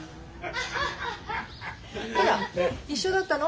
あら一緒だったの？